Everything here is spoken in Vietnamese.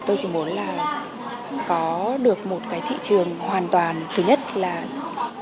tôi chỉ muốn là có được một cái thị trường hoàn toàn thứ nhất là minh bạch